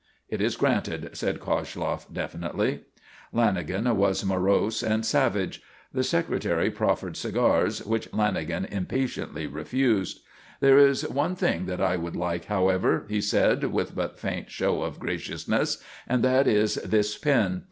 "It is granted," said Koshloff, definitely. Lanagan was morose and savage. The Secretary proffered cigars, which Lanagan impatiently refused. "There is one thing that I would like, however," he said with but faint show of graciousness, "and that is this pin.